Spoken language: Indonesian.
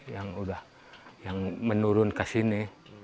yang menurun ke sini